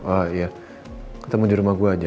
oh iya ketemu di rumah gue aja